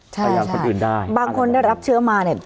ใช่ใช่พยายามคนอื่นได้บางคนได้รับเชื้อมาเนี่ย